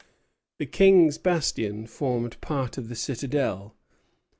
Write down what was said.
The King's Bastion formed part of the citadel.